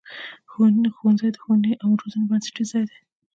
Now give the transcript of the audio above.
ښوونځی د ښوونې او روزنې بنسټیز ځای دی.